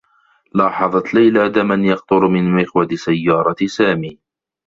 لاحظت ليلى دما يقطر من مقود سيّارة سامي.